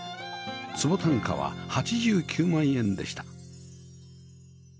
坪単価は８９万円でした